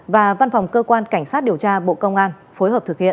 và văn phòng cơ quan cảnh sát điều tra bộ công an phối hợp thực hiện